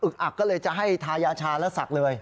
อักก็เลยจะให้ทายาชาและศักดิ์เลย